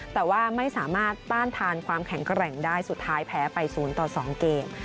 แต่ว่าไม่สามารถต้านทานความแข็งแกร่งได้สุดท้ายแพ้ไป๐ต่อ๒เกม